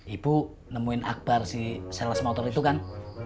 ibu nemuin akbar si sales motor itu kan